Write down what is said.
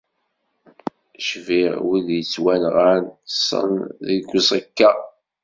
Cbiɣ wid yettwanɣan, ṭṭsen deg uẓekka.